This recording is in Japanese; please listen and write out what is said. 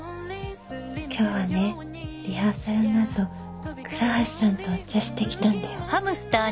今日はねリハーサルの後倉橋さんとお茶してきたんだよ。